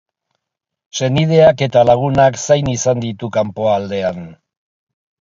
Senideak eta lagunak zain izan ditu kanpoaldean.